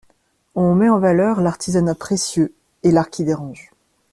On met en valeur l’artisanat précieux et l’art qui dérange.